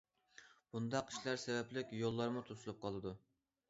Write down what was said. بۇنداق ئىشلار سەۋەبلىك يوللارمۇ توسۇلۇپ قالىدۇ.